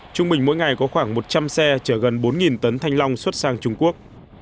trung bình mỗi ngày có khoảng một trăm linh xe chở gần bốn tấn thanh long xuất sang trung quốc